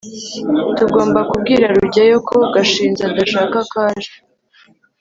tugomba kubwira rugeyo ko gashinzi adashaka ko aje